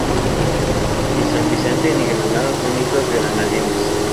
Ni San Vicente ni Granada son islas Granadinas.